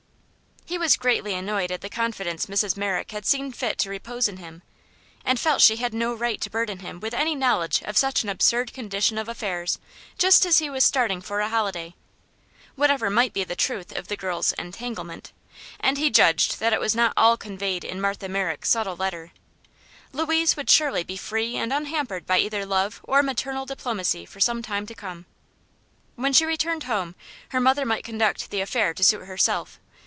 He was greatly annoyed at the confidence Mrs. Merrick had seen fit to repose in him, and felt she had no right to burden him with any knowledge of such an absurd condition of affairs just as he was starting for a holiday. Whatever might be the truth of the girl's "entanglement," and he judged that it was not all conveyed in Martha Merrick's subtle letter Louise would surely be free and unhampered by either love or maternal diplomacy for some time to come. When she returned home her mother might conduct the affair to suit herself.